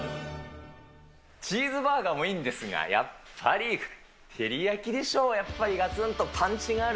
チーズバーガーもいいんですが、やっぱりテリヤキでしょう、やっぱりがつんとがつんとパンチがある。